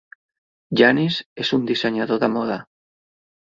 Yannis és un dissenyador de moda.